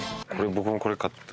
僕もこれ買って。